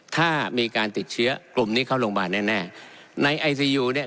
ถ้ามีการติดเชื้อกลุ่มนี้เข้าโรงพยาบาลแน่แน่ในไอซียูเนี่ย